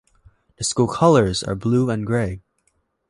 The school colors are blue and grey.